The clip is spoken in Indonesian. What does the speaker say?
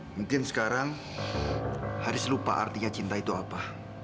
mungkin sekarang haris lupa artinya cinta itu apa